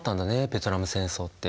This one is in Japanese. ベトナム戦争って。